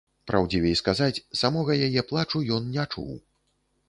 Праўдзівей сказаць, самога яе плачу ён не чуў.